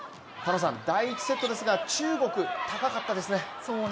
第１セットですが中国、高かったですね。